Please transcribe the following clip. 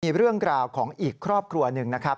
มีเรื่องกล่าวของอีกครอบครัวหนึ่งนะครับ